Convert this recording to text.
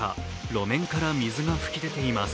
路面から水が噴き出ています。